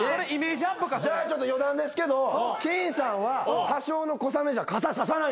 じゃあちょっと余談ですけどきんさんは多少の小雨じゃ傘差さないんすって。